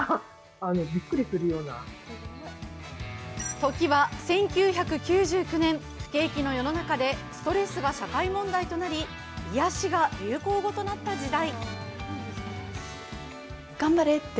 時は１９９９年、不景気の世の中でストレスが社会問題となり、癒やしが流行語となった時代。